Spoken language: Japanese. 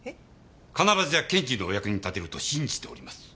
必ずや検事のお役に立てると信じております。